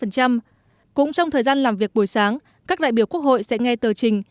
cũng trong thời gian làm việc buổi sáng các đại biểu quốc hội sẽ nghe tờ trình